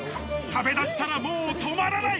食べだしたら、もう止まらない！